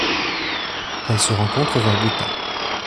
Elle se rencontre vers Gutha.